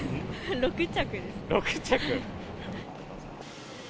６着？